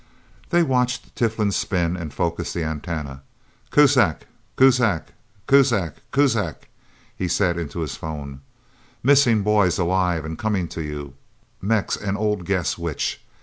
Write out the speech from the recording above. They watched Tiflin spin and focus the antenna. "Kuzak... Kuzak... Kuzak... Kuzak..." he said into his phone. "Missing boys alive and coming to you. Mex and old Guess Which...